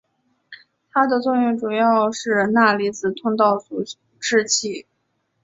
它的作用主要是钠离子通道阻滞剂。